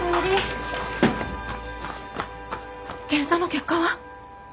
検査の結果は？